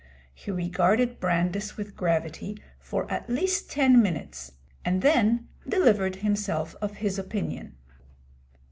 He regarded Brandis with gravity for at least ten minutes, and then delivered himself of his opinion.